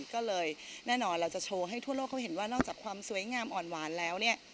ก็เลยแน่นอนเราจะโชว์ให้ทั่วโลกเขาเห็นว่านอกจากความสวยงามอ่อนหวานแล้วเนี่ย